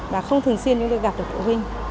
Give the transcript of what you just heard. và không thường xuyên được gặp được phụ huynh